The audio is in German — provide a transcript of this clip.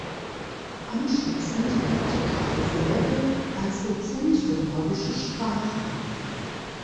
Anschließend wirkte Carl Säve als Dozent für nordische Sprachen.